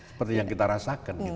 seperti yang kita rasakan